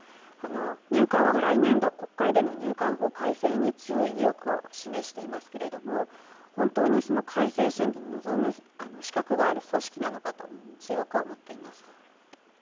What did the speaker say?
入管は来年度、国会での入管法改正に強い意欲を示していますが、本当に改正審議に臨む資格がある組織なのかと強く思っています。